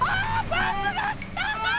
バスがきた！